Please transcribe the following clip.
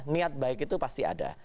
niat baik itu pasti ada